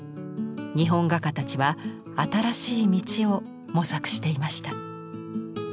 日本画家たちは新しい道を模索していました。